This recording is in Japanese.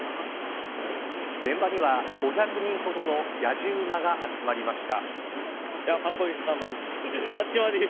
現場には５００人ほどのやじ馬が集まりました。